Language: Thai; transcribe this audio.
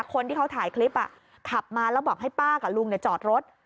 คนที่เขาถ่ายคลิปขับมาแล้วบอกให้ป้ากับลุงจอดรถ